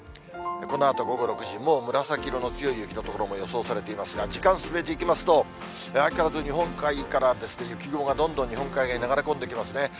このあと午後６時、もう紫色の強い雪の所も予想されていますが、時間進めていきますと、相変わらず日本海から雪雲がどんどん日本海側へ流れ込んできますね。